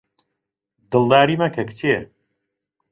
دڵداری مەکە کچێ